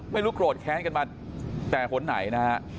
ไม่รู้โครตแค้นกันมาแต่คนไหนนะครับ